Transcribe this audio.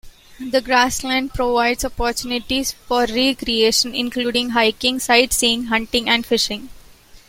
The Grassland provides opportunities for recreation, including hiking, sightseeing, hunting, and fishing.